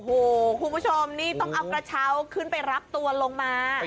คุณผู้ผู้ชมต้องเอากระเชาขึ้นไปรับตัวลงมา